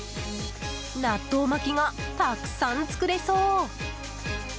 納豆巻きがたくさん作れそう。